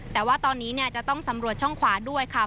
แต่ว่าตอนนี้จะต้องสำรวจช่องขวาด้วยค่ะ